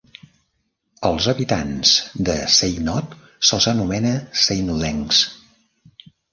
Als habitants de Seynod se'ls anomena seinodencs.